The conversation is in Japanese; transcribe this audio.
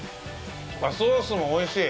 ソースもおいしい。